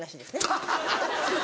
ハハハ！